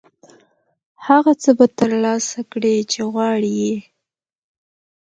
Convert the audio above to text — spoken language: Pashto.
هغه څه به ترلاسه کړې چې غواړې یې.